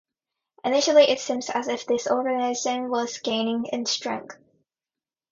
Initially, it seemed as if this organization was gaining in strength.